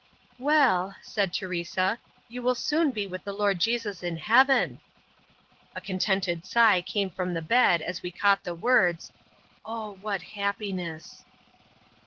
"Well," said Teresa, "you will soon be with the Lord Jesus in heaven." A contented sigh came from the bed as we caught the words, "Oh, what happiness!"